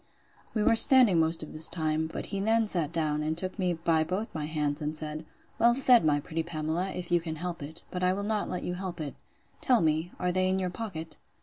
We were standing most of this time; but he then sat down, and took me by both my hands, and said, Well said, my pretty Pamela, if you can help it! But I will not let you help it. Tell me, are they in your pocket?